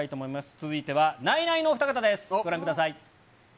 続いてはナイナイのお二方です。